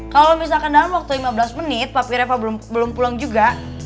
kalo misalkan dalam waktu lima belas menit papi reva belum pulang juga